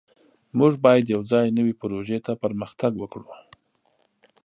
موږ باید یوځای نوې پروژې ته پرمختګ وکړو.